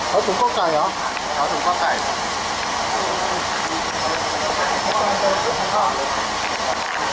สวัสดีครับสวัสดีครับ